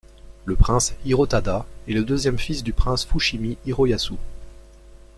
Le prince Hirotada est le deuxième fils du prince Fushimi Hiroyasu.